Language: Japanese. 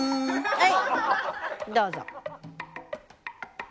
はいどうぞ。